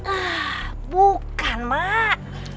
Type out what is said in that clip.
ah bukan mak